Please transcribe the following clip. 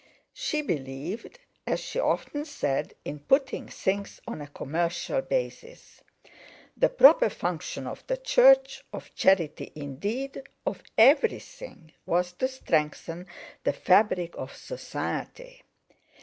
She believed, as she often said, in putting things on a commercial basis; the proper function of the Church, of charity, indeed, of everything, was to strengthen the fabric of "Society."